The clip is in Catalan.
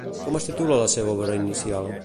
Com es titula la seva obra inicial?